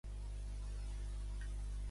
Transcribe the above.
La brigada del General Ambrose Wright.